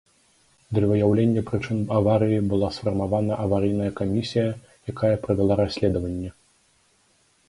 Для выяўлення прычын аварыі была сфармавана аварыйная камісія, якая правяла расследаванне.